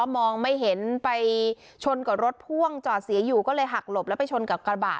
มองไม่เห็นไปชนกับรถพ่วงจอดเสียอยู่ก็เลยหักหลบแล้วไปชนกับกระบะ